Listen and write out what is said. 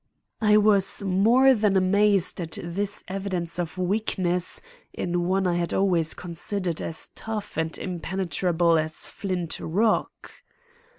I was more than amazed at this evidence of weakness in one I had always considered as tough and impenetrable as flint rock.